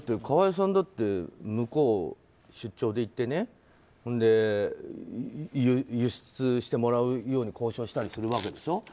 川井さんだって向こう、出張で行って輸出してもらうように交渉したりするわけでしょ。